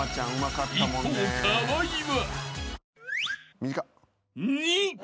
［一方河合は］